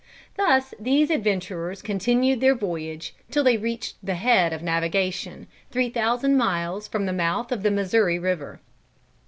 Thus these adventurers continued their voyage till they reached the head of navigation, three thousand miles from the mouth of the Missouri river.